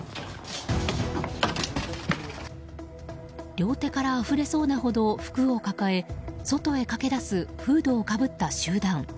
両手からあふれそうなほど服を抱え外へ駆け出すフードをかぶった集団。